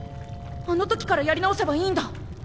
あの時からやり直せばいいんだ！